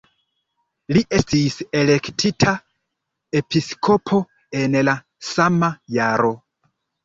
Li estis elektita episkopo en la sama jaro.